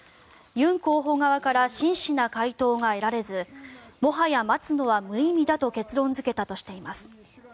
ユン候補側から真摯な回答が得られずもはや待つのは無意味だと結論付けたとしています。